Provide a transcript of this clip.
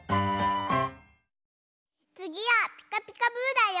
つぎは「ピカピカブ！」だよ。